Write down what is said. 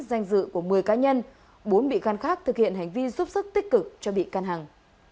danh dự của một mươi cá nhân bốn bị can khác thực hiện hành vi giúp sức tích cực cho bị căn hằng